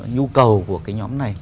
nhu cầu của cái nhóm này